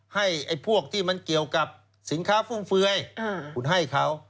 ให้พวกที่มันเกี่ยวกับสินค้าฟุ่มเฟือยคุณให้เขา